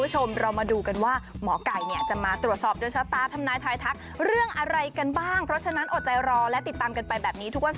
เหนียวจ้า